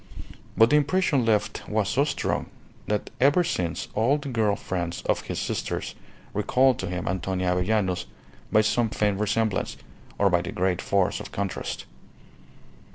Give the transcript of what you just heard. But the impression left was so strong that ever since all the girl friends of his sisters recalled to him Antonia Avellanos by some faint resemblance, or by the great force of contrast.